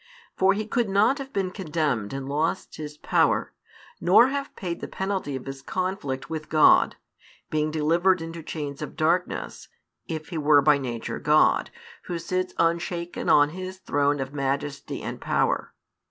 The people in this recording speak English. For he could not have been condemned and lost his power, nor have paid the penalty of his conflict with God, being delivered into chains of darkness, if he were by Nature God, Who sits unshaken on His throne of majesty and power.